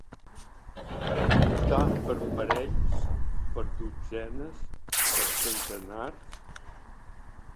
Comptar per parells, per dotzenes, per centenars.